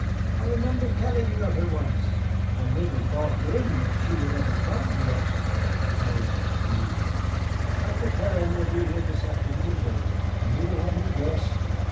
I remember telling you of her once. I little thought then that she would ever come to us." He turned to me. "Dr. Perrin will be here this afternoon, David, and he will have you dressed.